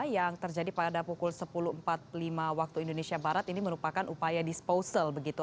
yang terjadi pada pukul sepuluh empat puluh lima waktu indonesia barat ini merupakan upaya disposal begitu